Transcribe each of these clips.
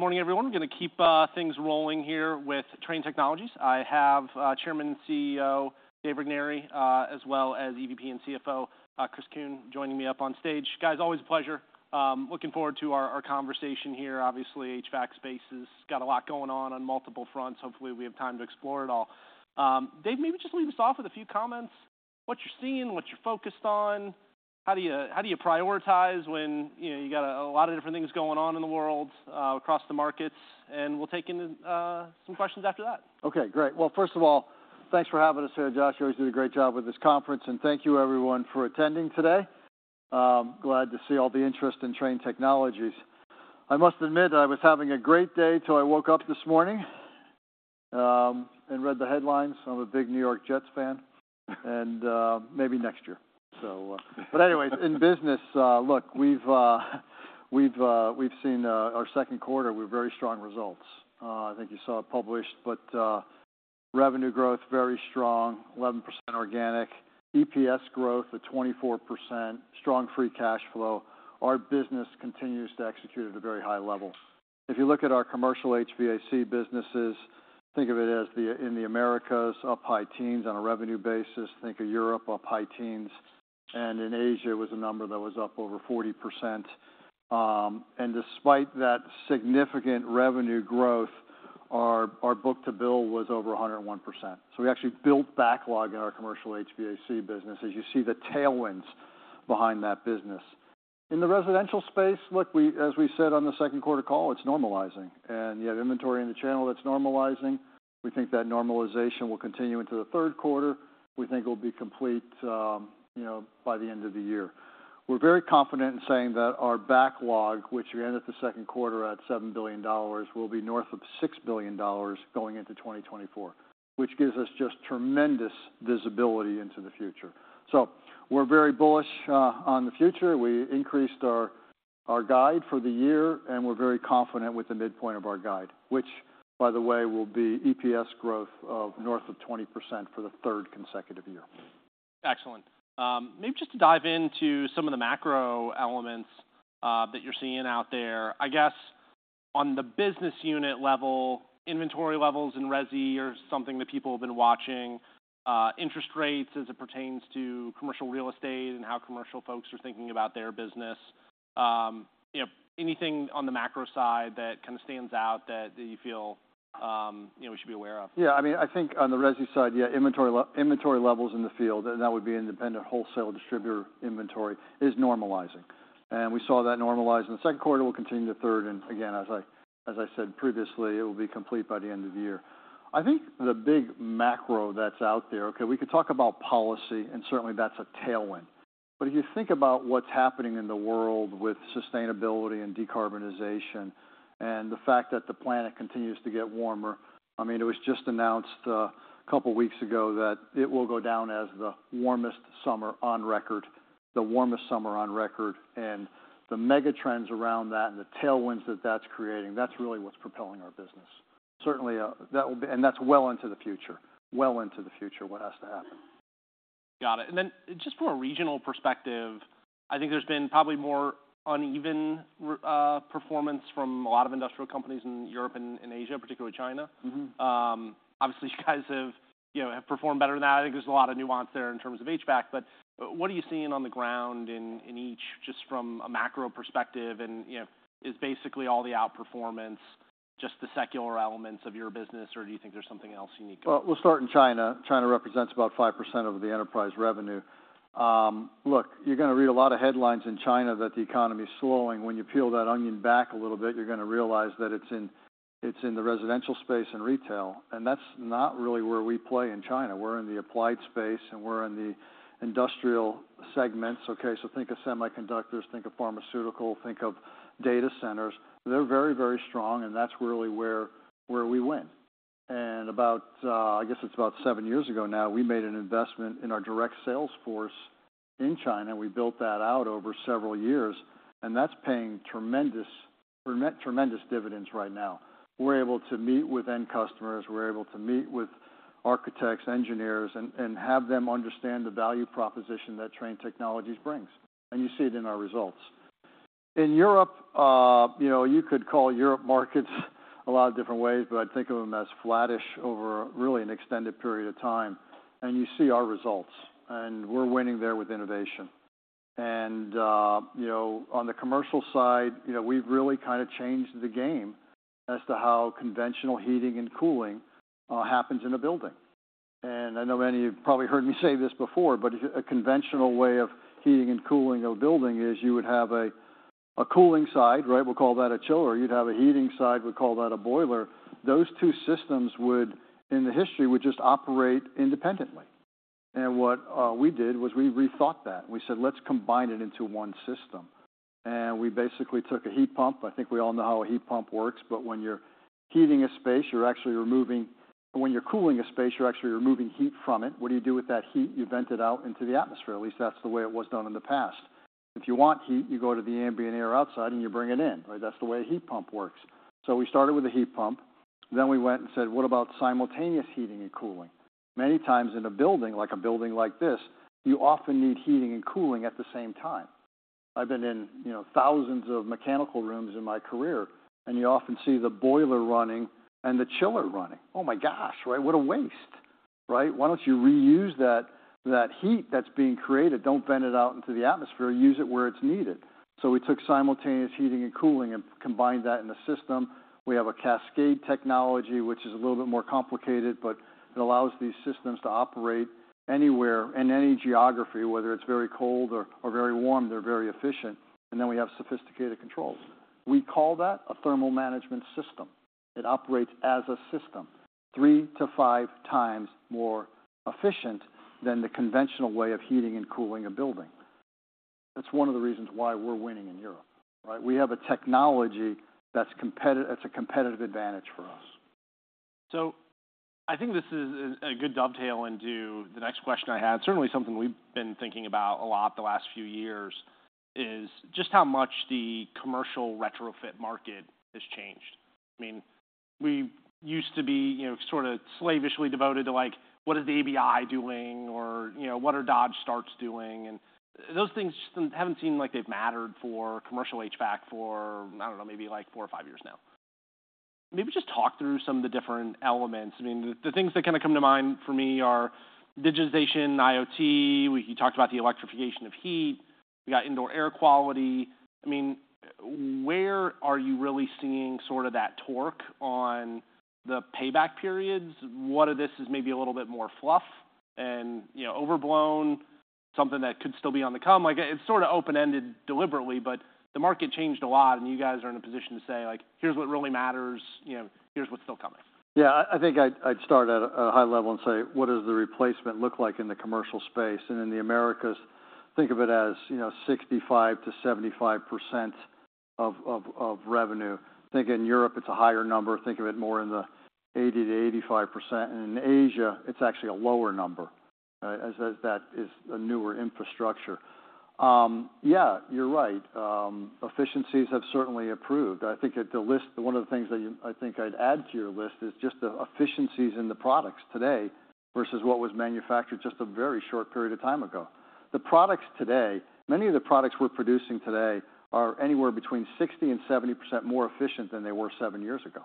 Good morning, everyone. We're gonna keep things rolling here with Trane Technologies. I have Chairman and CEO, Dave Regnery, as well as EVP and CFO, Chris Kuehn, joining me up on stage. Guys, always a pleasure. Looking forward to our conversation here. Obviously, HVAC space has got a lot going on multiple fronts. Hopefully, we have time to explore it all. Dave, maybe just lead us off with a few comments. What you're seeing, what you're focused on. How do you prioritize when, you know, you got a lot of different things going on in the world, across the markets? And we'll take in some questions after that. Okay, great. Well, first of all, thanks for having us here, Josh. You always do a great job with this conference, and thank you everyone for attending today. Glad to see all the interest in Trane Technologies. I must admit, I was having a great day till I woke up this morning and read the headlines. I'm a big New York Jets fan, and maybe next year. Anyways, in business, look, we've seen our second quarter with very strong results. I think you saw it published, but revenue growth very strong, 11% organic, EPS growth of 24%, strong free cash flow. Our business continues to execute at a very high level. If you look at our commercial HVAC businesses, think of it as the in the Americas, up high teens% on a revenue basis, think of Europe, up high teens%, and in Asia was a number that was up over 40%. And despite that significant revenue growth, our book-to-bill was over 101%. So we actually built backlog in our commercial HVAC business. As you see the tailwinds behind that business. In the residential space, look, as we said on the second quarter call, it's normalizing, and you have inventory in the channel that's normalizing. We think that normalization will continue into the third quarter. We think it'll be complete, you know, by the end of the year. We're very confident in saying that our backlog, which we end at the second quarter at $7 billion, will be north of $6 billion going into 2024, which gives us just tremendous visibility into the future. So we're very bullish on the future. We increased our, our guide for the year, and we're very confident with the midpoint of our guide, which, by the way, will be EPS growth of north of 20% for the third consecutive year. Excellent. Maybe just to dive into some of the macro elements that you're seeing out there. I guess on the business unit level, inventory levels in resi are something that people have been watching, interest rates as it pertains to commercial real estate and how commercial folks are thinking about their business. You know, anything on the macro side that kind of stands out that you feel, you know, we should be aware of? Yeah, I mean, I think on the resi side, yeah, inventory levels in the field, and that would be independent wholesale distributor inventory, is normalizing, and we saw that normalize in the second quarter, will continue to third. And again, as I said previously, it will be complete by the end of the year. I think the big macro that's out there. Okay, we could talk about policy, and certainly that's a tailwind. But if you think about what's happening in the world with sustainability and decarbonization and the fact that the planet continues to get warmer, I mean, it was just announced a couple of weeks ago that it will go down as the warmest summer on record. The warmest summer on record, and the mega trends around that and the tailwinds that that's creating, that's really what's propelling our business. Certainly, that will be and that's well into the future. Well into the future, what has to happen. Got it, and then just from a regional perspective, I think there's been probably more uneven performance from a lot of industrial companies in Europe and in Asia, particularly China. Mm-hmm. Obviously, you guys have, you know, have performed better than that. I think there's a lot of nuance there in terms of HVAC, but what are you seeing on the ground in each, just from a macro perspective? And, you know, is basically all the outperformance, just the secular elements of your business, or do you think there's something else you need to Well, we'll start in China. China represents about 5% of the enterprise revenue. Look, you're gonna read a lot of headlines in China that the economy is slowing. When you peel that onion back a little bit, you're gonna realize that it's in, it's in the residential space and retail, and that's not really where we play in China. We're in the applied space, and we're in the industrial segments, okay? So think of semiconductors, think of pharmaceutical, think of data centers. They're very, very strong, and that's really where, where we win. And about, I guess it's about seven years ago now, we made an investment in our direct sales force in China, and we built that out over several years, and that's paying tremendous dividends right now. We're able to meet with end customers, we're able to meet with architects, engineers, and have them understand the value proposition that Trane Technologies brings. And you see it in our results. In Europe, you know, you could call Europe markets a lot of different ways, but I'd think of them as flattish over really an extended period of time. And you see our results, and we're winning there with innovation. And you know, on the commercial side, you know, we've really kind of changed the game as to how conventional heating and cooling happens in a building. And I know many of you have probably heard me say this before, but a conventional way of heating and cooling a building is you would have a cooling side, right? We'll call that a chiller. You'd have a heating side, we'll call that a boiler. Those two systems would, in the history, would just operate independently. And what we did was we rethought that. We said, let's combine it into one system, and we basically took a heat pump. I think we all know how a heat pump works, but when you're heating a space, you're actually removing... When you're cooling a space, you're actually removing heat from it. What do you do with that heat? You vent it out into the atmosphere. At least that's the way it was done in the past. If you want heat, you go to the ambient air outside, and you bring it in. Right, that's the way a heat pump works. So we started with a heat pump.... Then we went and said, "What about simultaneous heating and cooling?" Many times in a building, like a building like this, you often need heating and cooling at the same time. I've been in, you know, thousands of mechanical rooms in my career, and you often see the boiler running and the chiller running. Oh, my gosh! Right? What a waste, right? Why don't you reuse that, that heat that's being created? Don't vent it out into the atmosphere. Use it where it's needed. So we took simultaneous heating and cooling and combined that in the system. We have a cascade technology, which is a little bit more complicated, but it allows these systems to operate anywhere in any geography. Whether it's very cold or, or very warm, they're very efficient, and then we have sophisticated controls. We call that a thermal management system. It operates as a system three-five times more efficient than the conventional way of heating and cooling a building. That's one of the reasons why we're winning in Europe, right? We have a technology that's competitive, that's a competitive advantage for us. So I think this is a good dovetail into the next question I had. Certainly, something we've been thinking about a lot the last few years is just how much the commercial retrofit market has changed. I mean, we used to be, you know, sort of slavishly devoted to like, what is the ABI doing? Or, you know, what are Dodge Starts doing? And those things just haven't seemed like they've mattered for commercial HVAC for, I don't know, maybe like four or five years now. Maybe just talk through some of the different elements. I mean, the things that kind of come to mind for me are digitization, IoT. We talked about the electrification of heat. We got indoor air quality. I mean, where are you really seeing sort of that torque on the payback periods? What of this is maybe a little bit more fluff and, you know, overblown, something that could still be on the come? Like, it's sort of open-ended deliberately, but the market changed a lot, and you guys are in a position to say, like: Here's what really matters, you know, here's what's still coming. Yeah, I think I'd start at a high level and say: What does the replacement look like in the commercial space and in the Americas? Think of it as, you know, 65%-75% of revenue. I think in Europe, it's a higher number. Think of it more in the 80%-85%, and in Asia, it's actually a lower number, as that is a newer infrastructure. Yeah, you're right. Efficiencies have certainly improved. I think that the list one of the things that you I think I'd add to your list is just the efficiencies in the products today versus what was manufactured just a very short period of time ago. The products today, many of the products we're producing today are anywhere between 60%-70% more efficient than they were seven years ago.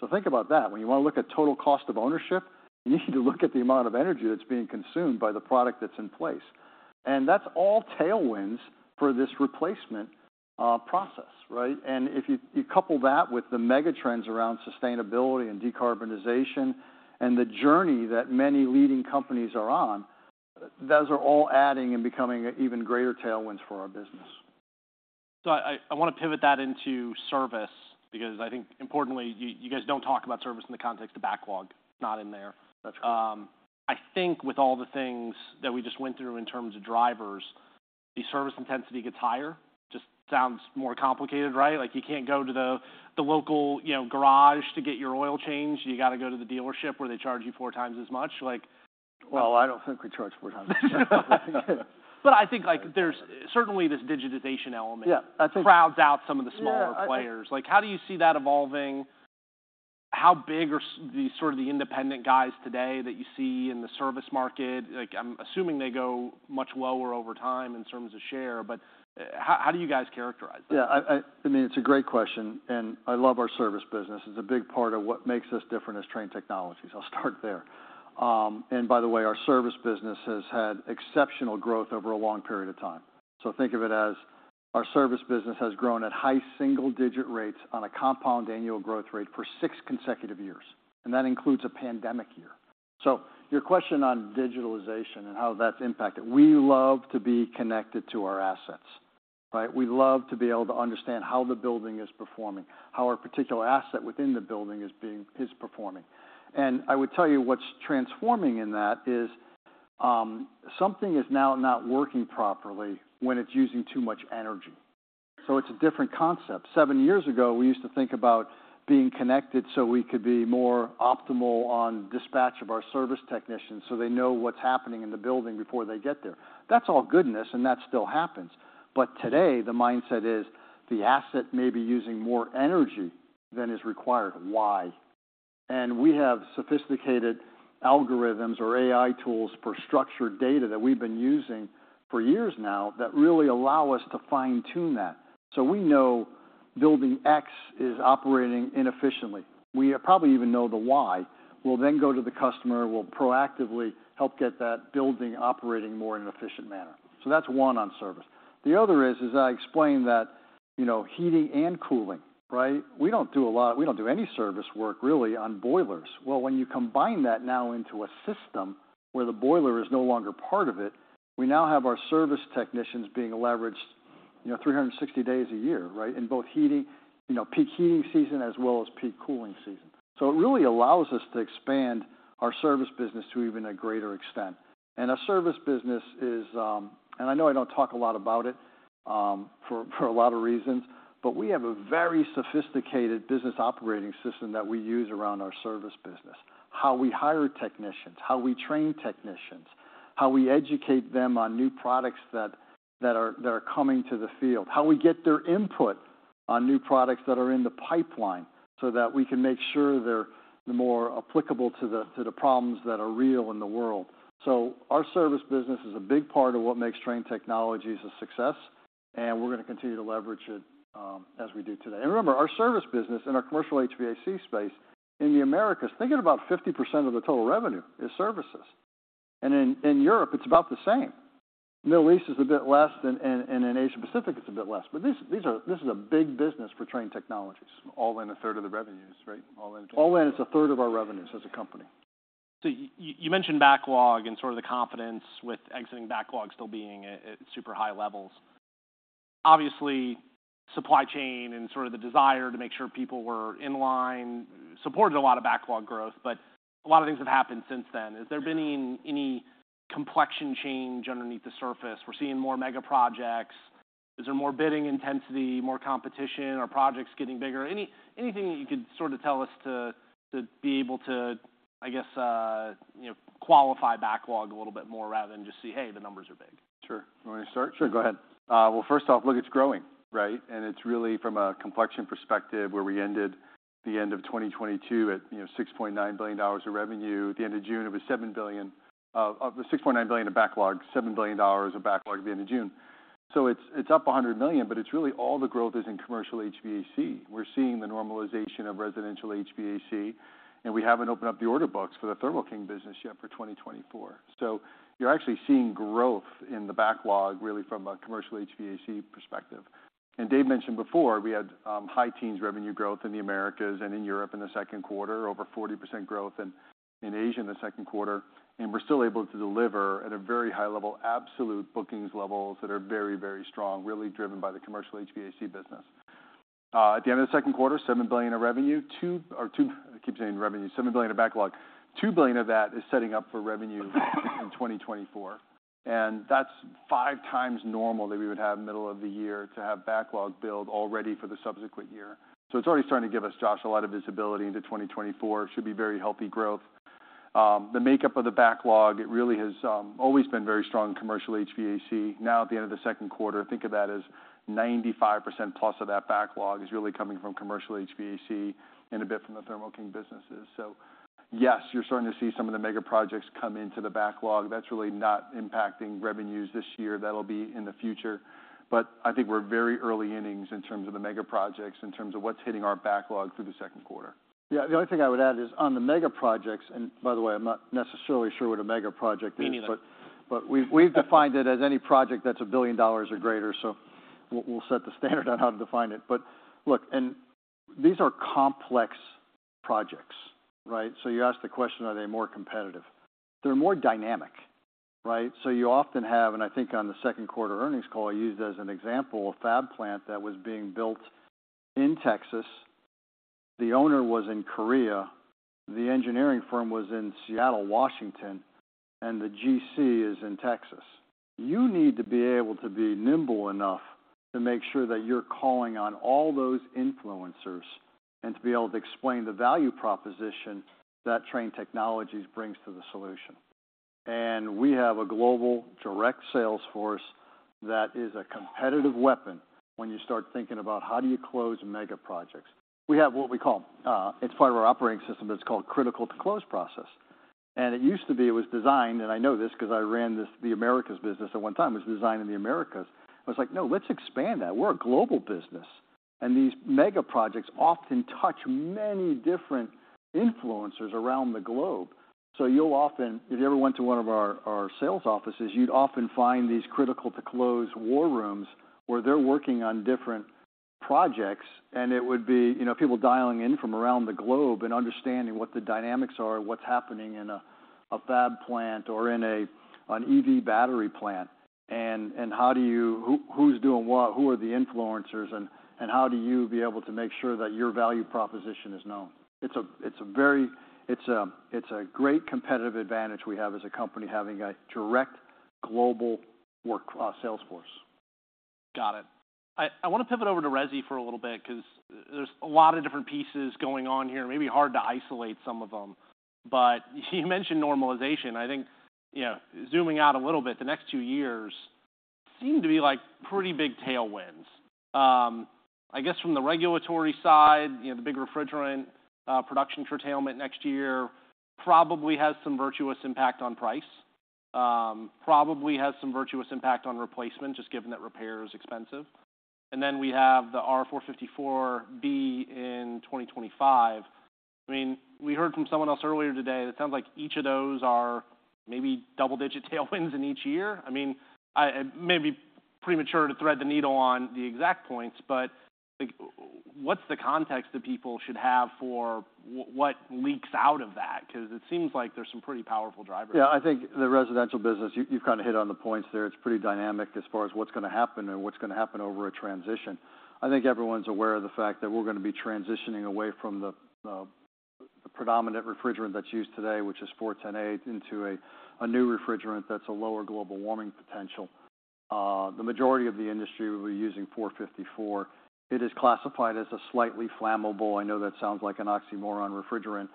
So think about that. When you want to look at total cost of ownership, you need to look at the amount of energy that's being consumed by the product that's in place, and that's all tailwinds for this replacement process, right? And if you couple that with the mega trends around sustainability and decarbonization and the journey that many leading companies are on, those are all adding and becoming even greater tailwinds for our business. So I want to pivot that into service because I think importantly, you guys don't talk about service in the context of backlog. It's not in there. That's right. I think with all the things that we just went through in terms of drivers, the service intensity gets higher. Just sounds more complicated, right? Like, you can't go to the local, you know, garage to get your oil changed. You got to go to the dealership, where they charge you four times as much, like... Well, I don't think we charge four times. I think, like, there's certainly this digitization element- Yeah. I think crowds out some of the smaller players. Yeah, I Like, how do you see that evolving? How big are the sort of the independent guys today that you see in the service market? Like, I'm assuming they go much lower over time in terms of share, but how do you guys characterize that? Yeah, I mean, it's a great question, and I love our service business. It's a big part of what makes us different as Trane Technologies. I'll start there. And by the way, our service business has had exceptional growth over a long period of time. So think of it as our service business has grown at high single-digit rates on a compound annual growth rate for six consecutive years, and that includes a pandemic year. So your question on digitalization and how that's impacted, we love to be connected to our assets, right? We love to be able to understand how the building is performing, how our particular asset within the building is performing. And I would tell you what's transforming in that is, something is now not working properly when it's using too much energy. So it's a different concept. Seven years ago, we used to think about being connected so we could be more optimal on dispatch of our service technicians, so they know what's happening in the building before they get there. That's all goodness, and that still happens. But today, the mindset is the asset may be using more energy than is required. Why? And we have sophisticated algorithms or AI tools for structured data that we've been using for years now that really allow us to fine-tune that. So we know building X is operating inefficiently. We probably even know the why. We'll then go to the customer. We'll proactively help get that building operating more in an efficient manner. So that's one on service. The other is, as I explained, that, you know, heating and cooling, right? We don't do a lot. We don't do any service work, really, on boilers. Well, when you combine that now into a system where the boiler is no longer part of it, we now have our service technicians being leveraged, you know, 360 days a year, right? In both heating, you know, peak heating season as well as peak cooling season. So it really allows us to expand our service business to even a greater extent. And our service business is, and I know I don't talk a lot about it, for a lot of reasons, but we have a very sophisticated business operating system that we use around our service business. How we hire technicians, how we train technicians.... how we educate them on new products that are coming to the field. How we get their input on new products that are in the pipeline, so that we can make sure they're more applicable to the, to the problems that are real in the world. So our service business is a big part of what makes Trane Technologies a success, and we're gonna continue to leverage it, as we do today. And remember, our service business in our commercial HVAC space in the Americas, thinking about 50% of the total revenue is services. And in, in Europe, it's about the same. Middle East is a bit less, and, and in Asia-Pacific, it's a bit less. But these, these are this is a big business for Trane Technologies. All in, a third of the revenues, right? All in- All in, it's a third of our revenues as a company. So you mentioned backlog and sort of the confidence with exiting backlog still being at super high levels. Obviously, supply chain and sort of the desire to make sure people were in line supported a lot of backlog growth, but a lot of things have happened since then. Has there been any complexion change underneath the surface? We're seeing more mega projects. Is there more bidding intensity, more competition, or projects getting bigger? Anything that you could sort of tell us to be able to, I guess, you know, qualify backlog a little bit more rather than just say, "Hey, the numbers are big? Sure. You want me to start? Sure, go ahead. First off, look, it's growing, right? And it's really from a complexion perspective, where we ended the end of 2022 at, you know, $6.9 billion of revenue. At the end of June, it was $7 billion. The $6.9 billion of backlog, $7 billion of backlog at the end of June. So it's up $100 million, but it's really all the growth is in commercial HVAC. We're seeing the normalization of residential HVAC, and we haven't opened up the order books for the Thermo King business yet for 2024. So you're actually seeing growth in the backlog, really from a commercial HVAC perspective. Dave mentioned before, we had high teens revenue growth in the Americas and in Europe in the second quarter, over 40% growth in Asia in the second quarter, and we're still able to deliver at a very high level, absolute bookings levels that are very, very strong, really driven by the commercial HVAC business. At the end of the second quarter, $7 billion of revenue, I keep saying revenue, $7 billion of backlog. $2 billion of that is setting up for revenue in 2024, and that's five times normal that we would have middle of the year to have backlog build already for the subsequent year. It's already starting to give us, Josh, a lot of visibility into 2024. Should be very healthy growth. The makeup of the backlog, it really has always been very strong in commercial HVAC. Now, at the end of the second quarter, think of that as 95%+ of that backlog is really coming from commercial HVAC and a bit from the Thermo King businesses. So yes, you're starting to see some of the mega projects come into the backlog. That's really not impacting revenues this year. That'll be in the future, but I think we're very early innings in terms of the mega projects, in terms of what's hitting our backlog through the second quarter. Yeah. The only thing I would add is on the Mega Projects, and by the way, I'm not necessarily sure what a Mega Project is. Me neither. But we've defined it as any project that's $1 billion or greater, so we'll set the standard on how to define it. But look, and these are complex projects, right? So you asked the question, are they more competitive? They're more dynamic, right? So you often have, and I think on the second quarter earnings call, I used as an example, a fab plant that was being built in Texas. The owner was in Korea, the engineering firm was in Seattle, Washington, and the GC is in Texas. You need to be able to be nimble enough to make sure that you're calling on all those influencers, and to be able to explain the value proposition that Trane Technologies brings to the solution. We have a global direct sales force that is a competitive weapon when you start thinking about how do you close mega projects. We have what we call, it's part of our operating system, but it's called Critical to Close process, and it used to be it was designed, and I know this 'cause I ran this, the Americas business at one time. It was designed in the Americas. I was like, "No, let's expand that. We're a global business," and these mega projects often touch many different influencers around the globe. So you'll often... If you ever went to one of our sales offices, you'd often find these Critical to Close war rooms, where they're working on different projects, and it would be, you know, people dialing in from around the globe and understanding what the dynamics are, what's happening in a fab plant or in an EV battery plant, and how do you who's doing what, who are the influencers, and how do you be able to make sure that your value proposition is known? It's a very, it's a great competitive advantage we have as a company, having a direct global sales force. Got it. I wanna pivot over to Resi for a little bit 'cause there's a lot of different pieces going on here. It may be hard to isolate some of them, but you mentioned normalization. I think, you know, zooming out a little bit, the next two years seem to be, like, pretty big tailwinds. I guess from the regulatory side, you know, the big refrigerant production curtailment next year probably has some virtuous impact on price, probably has some virtuous impact on replacement, just given that repair is expensive. And then we have the R-454B in 2025. I mean, we heard from someone else earlier today, it sounds like each of those are maybe double-digit tailwinds in each year. I mean, it may be premature to thread the needle on the exact points, but, like, what's the context that people should have for what leaks out of that? 'Cause it seems like there's some pretty powerful drivers. Yeah, I think the residential business, you, you've kind of hit on the points there. It's pretty dynamic as far as what's gonna happen and what's gonna happen over a transition. I think everyone's aware of the fact that we're gonna be transitioning away from the, the predominant refrigerant that's used today, which is R-410A, into a, a new refrigerant that's a lower global warming potential. The majority of the industry will be using R-454B. It is classified as a slightly flammable. I know that sounds like an oxymoron, refrigerant,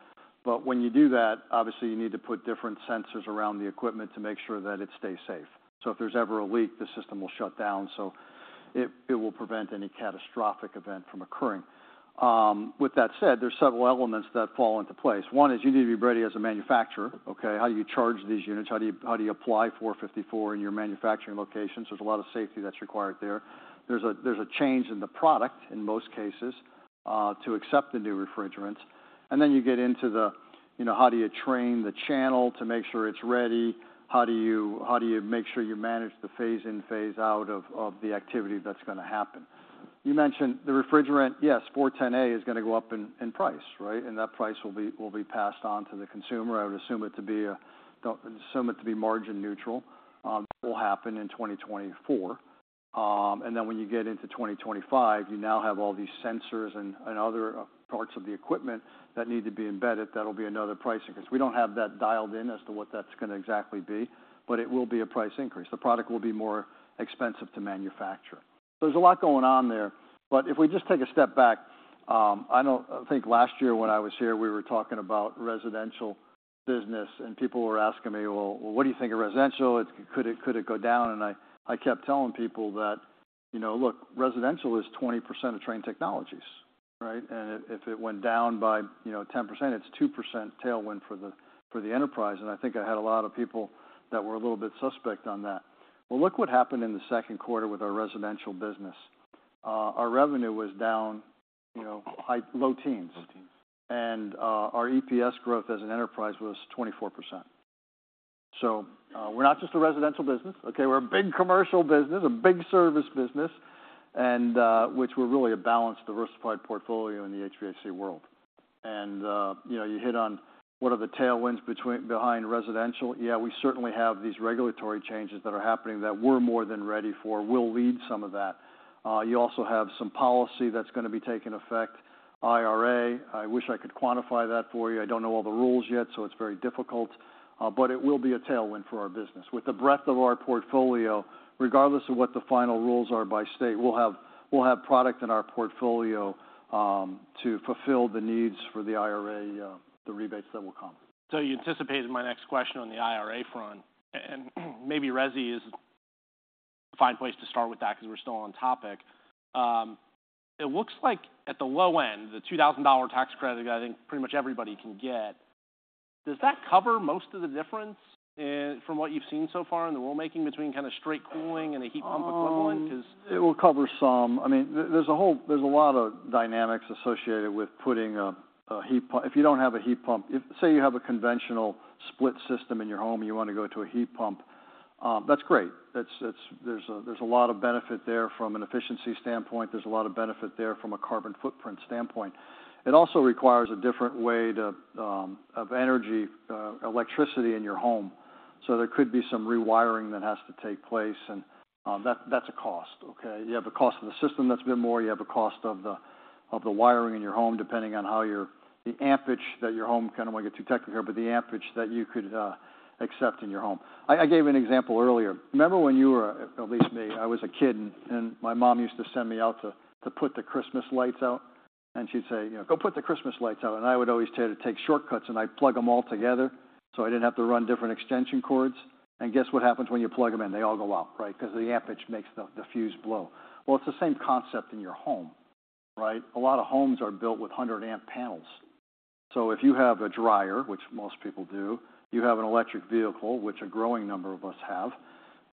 but when you do that, obviously you need to put different sensors around the equipment to make sure that it stays safe. So if there's ever a leak, the system will shut down, so it, it will prevent any catastrophic event from occurring. With that said, there's several elements that fall into place. One is you need to be ready as a manufacturer, okay? How do you charge these units? How do you apply 454 in your manufacturing locations? There's a lot of safety that's required there. There's a change in the product, in most cases, to accept the new refrigerants. And then you get into the, you know, how do you train the channel to make sure it's ready? How do you make sure you manage the phase in, phase out of the activity that's gonna happen? You mentioned the refrigerant. Yes, 410A is gonna go up in price, right? And that price will be passed on to the consumer. I would assume it to be margin neutral. That will happen in 2024. And then when you get into 2025, you now have all these sensors and other parts of the equipment that need to be embedded. That'll be another price increase. We don't have that dialed in as to what that's gonna exactly be, but it will be a price increase. The product will be more expensive to manufacture. There's a lot going on there, but if we just take a step back, I know, I think last year when I was here, we were talking about residential business, and people were asking me: Well, what do you think of residential? Could it go down? And I kept telling people that, you know, "Look, residential is 20% of Trane Technologies, right? And if it went down by, you know, 10%, it's 2% tailwind for the enterprise. And I think I had a lot of people that were a little bit suspect on that. Well, look what happened in the second quarter with our residential business. Our revenue was down, you know, high- to low-teens. Low teens. Our EPS growth as an enterprise was 24%. So, we're not just a residential business, okay? We're a big commercial business, a big service business, and which we're really a balanced, diversified portfolio in the HVAC world. You know, you hit on what are the tailwinds behind residential. Yeah, we certainly have these regulatory changes that are happening that we're more than ready for. We'll lead some of that. You also have some policy that's gonna be taking effect, IRA. I wish I could quantify that for you. I don't know all the rules yet, so it's very difficult, but it will be a tailwind for our business. With the breadth of our portfolio, regardless of what the final rules are by state, we'll have, we'll have product in our portfolio, to fulfill the needs for the IRA, the rebates that will come. You anticipated my next question on the IRA front, and maybe resi is a fine place to start with that because we're still on topic. It looks like at the low end, the $2000 tax credit, I think pretty much everybody can get. Does that cover most of the difference, from what you've seen so far in the rulemaking, between kind of straight cooling and a heat pump equivalent? Because It will cover some. I mean, there's a lot of dynamics associated with putting a heat pump. If you don't have a heat pump, say, you have a conventional split system in your home, and you want to go to a heat pump, that's great. That's, there's a lot of benefit there from an efficiency standpoint. There's a lot of benefit there from a carbon footprint standpoint. It also requires a different way to of energy electricity in your home. So there could be some rewiring that has to take place, and that's a cost, okay? You have the cost of the system, that's a bit more. You have a cost of the wiring in your home, depending on how your... The amperage that your home kind of want to get too technical here, but the amperage that you could accept in your home. I gave an example earlier. Remember when you were at least me I was a kid, and my mom used to send me out to put the Christmas lights out, and she'd say, "Go put the Christmas lights out." I would always tend to take shortcuts, and I'd plug them all together, so I didn't have to run different extension cords. And guess what happens when you plug them in? They all go out, right? Because the amperage makes the fuse blow. Well, it's the same concept in your home, right? A lot of homes are built with 100-amp panels. So if you have a dryer, which most people do, you have an electric vehicle, which a growing number of us have,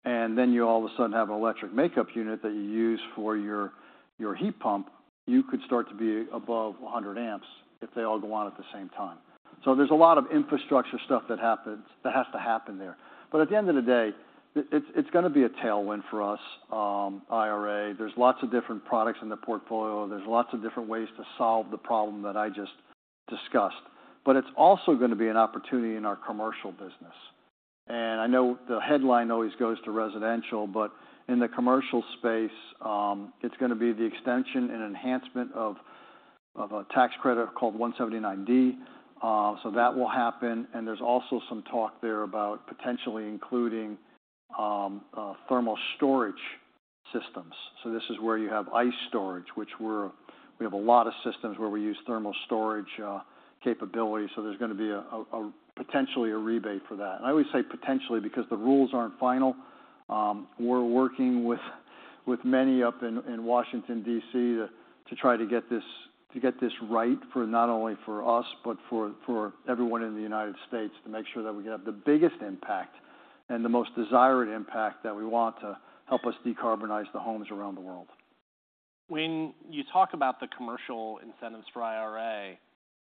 and then you all of a sudden have an electric makeup unit that you use for your, your heat pump, you could start to be above 100 amps if they all go on at the same time. So there's a lot of infrastructure stuff that happens, that has to happen there. But at the end of the day, it's gonna be a tailwind for us, IRA. There's lots of different products in the portfolio. There's lots of different ways to solve the problem that I just discussed. But it's also gonna be an opportunity in our commercial business. I know the headline always goes to residential, but in the commercial space, it's gonna be the extension and enhancement of a tax credit called 179D. So that will happen, and there's also some talk there about potentially including thermal storage systems. So this is where you have ice storage, which we have a lot of systems where we use thermal storage capabilities, so there's gonna be a potentially a rebate for that. I always say potentially, because the rules aren't final. We're working with many up in Washington, D.C., to try to get this right, for not only us, but for everyone in the United States, to make sure that we can have the biggest impact and the most desired impact that we want to help us decarbonize the homes around the world. When you talk about the commercial incentives for IRA,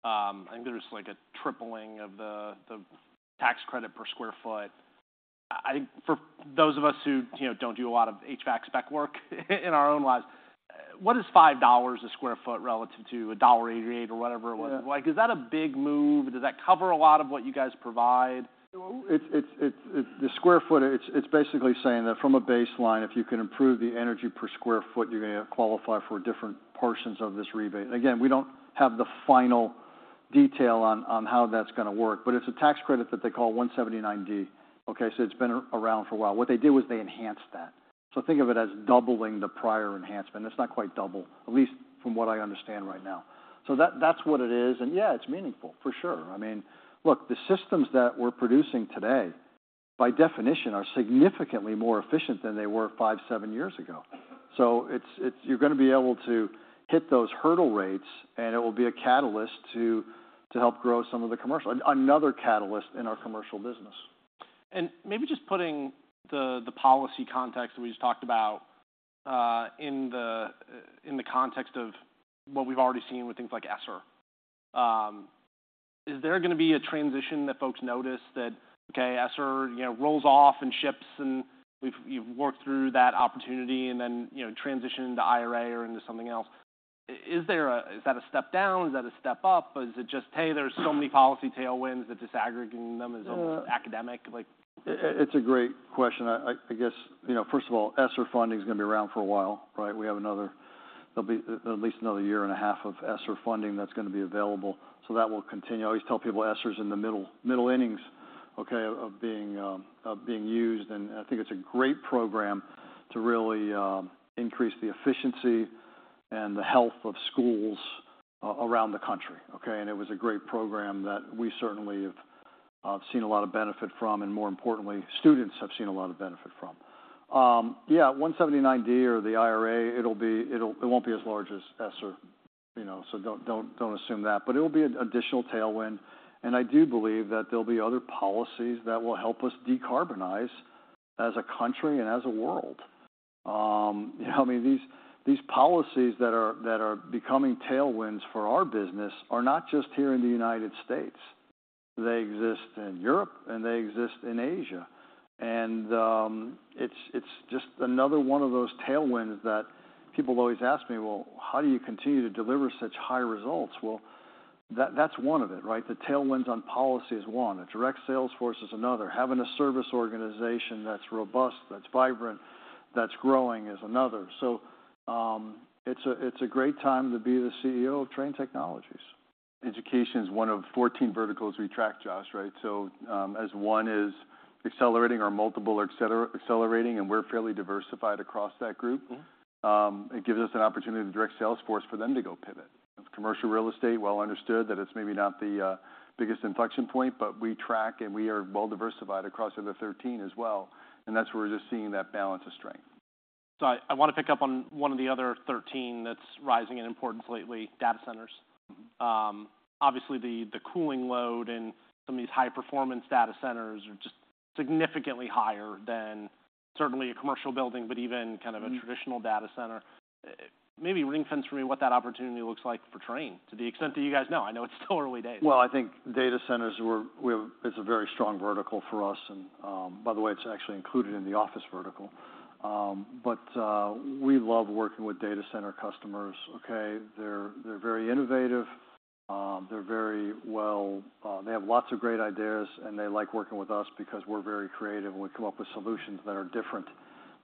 I think there's, like, a tripling of the tax credit per sq ft. For those of us who, you know, don't do a lot of HVAC spec work in our own lives, what is $5 a sq ft relative to $1.88 or whatever it was? Yeah. Like, is that a big move? Does that cover a lot of what you guys provide? It's the square foot. It's basically saying that from a baseline, if you can improve the energy per square foot, you're gonna qualify for different portions of this rebate. Again, we don't have the final detail on how that's gonna work, but it's a tax credit that they call 179D Okay? So it's been around for a while. What they did was they enhanced that. So think of it as doubling the prior enhancement. It's not quite double, at least from what I understand right now. So that's what it is. And yeah, it's meaningful, for sure. I mean, look, the systems that we're producing today, by definition, are significantly more efficient than they were five, seven years ago. So it's you're gonna be able to hit those hurdle rates, and it will be a catalyst to help grow some of the commercial. Another catalyst in our commercial business. And maybe just putting the policy context that we just talked about in the context of what we've already seen with things like ESSER. Is there gonna be a transition that folks notice that, okay, ESSER, you know, rolls off and ships, and we've you've worked through that opportunity and then, you know, transition into IRA or into something else. Is that a step down? Is that a step up? Or is it just, "Hey, there's so many policy tailwinds that disaggregating them is academic?" Like... It's a great question. I guess, you know, first of all, ESSER funding is gonna be around for a while, right? We have another... There'll be at least another year and a half of ESSER funding that's gonna be available, so that will continue. I always tell people, ESSER's in the middle innings, okay, of being used. I think it's a great program to really increase the efficiency and the health of schools around the country, okay? It was a great program that we certainly have seen a lot of benefit from, and more importantly, students have seen a lot of benefit from. Yeah, 179D or the IRA, it'll be, it won't be as large as ESSER, you know, so don't assume that. But it'll be an additional tailwind, and I do believe that there'll be other policies that will help us decarbonize as a country and as a world. You know, I mean, these, these policies that are, that are becoming tailwinds for our business are not just here in the United States. They exist in Europe, and they exist in Asia. And, it's, it's just another one of those tailwinds that people always ask me: "Well, how do you continue to deliver such high results?" Well, that, that's one of it, right? The tailwinds on policy is one, the direct sales force is another. Having a service organization that's robust, that's vibrant, that's growing is another. So, it's a, it's a great time to be the CEO of Trane Technologies. Education is one of 14 verticals we track, Josh, right? So, as one is accelerating, or multiple are accelerating, and we're fairly diversified across that group- Mm-hmm. It gives us an opportunity to direct sales force for them to go pivot. Commercial real estate, well understood, that it's maybe not the biggest inflection point, but we track, and we are well diversified across another 13 as well, and that's where we're just seeing that balance of strength. I wanna pick up on one of the other 13 that's rising in importance lately, data centers. Obviously, the cooling load and some of these high-performance data centers are just significantly higher than certainly a commercial building, but even kind of- Mm-hmm... a traditional data center. Maybe ring-fence for me what that opportunity looks like for Trane, to the extent that you guys know. I know it's still early days. Well, I think data centers, we're... It's a very strong vertical for us, and, by the way, it's actually included in the office vertical. But we love working with data center customers, okay? They're very innovative, they're very well... They have lots of great ideas, and they like working with us because we're very creative, and we come up with solutions that are different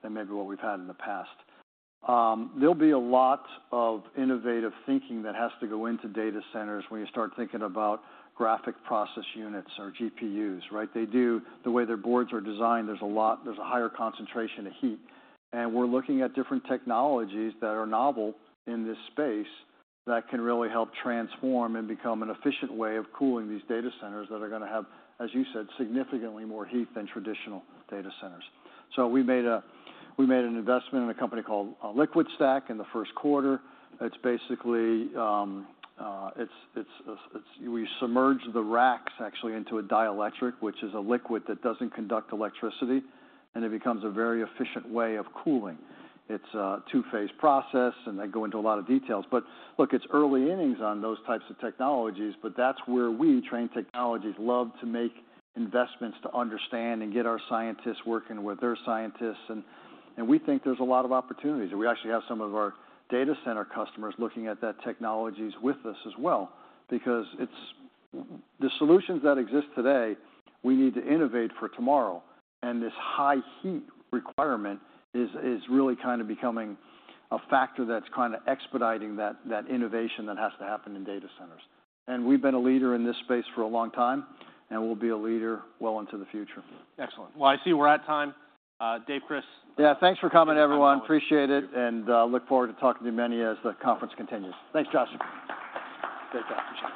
than maybe what we've had in the past. There'll be a lot of innovative thinking that has to go into data centers when you start thinking about graphics processing units, or GPUs, right? They do, the way their boards are designed, there's a lot, there's a higher concentration of heat. We're looking at different technologies that are novel in this space that can really help transform and become an efficient way of cooling these data centers that are gonna have, as you said, significantly more heat than traditional data centers. So we made an investment in a company called LiquidStack in the first quarter. It's basically. We submerge the racks, actually, into a dielectric, which is a liquid that doesn't conduct electricity, and it becomes a very efficient way of cooling. It's a two-phase process, and I go into a lot of details. But look, it's early innings on those types of technologies, but that's where we, Trane Technologies, love to make investments to understand and get our scientists working with their scientists, and we think there's a lot of opportunities. We actually have some of our data center customers looking at that technologies with us as well because it's... The solutions that exist today, we need to innovate for tomorrow, and this high heat requirement is really kind of becoming a factor that's kind of expediting that innovation that has to happen in data centers. We've been a leader in this space for a long time, and we'll be a leader well into the future. Excellent. Well, I see we're at time. Dave, Chris. Yeah, thanks for coming, everyone. Appreciate it, and, look forward to talking to many as the conference continues. Thanks, Josh. Great job.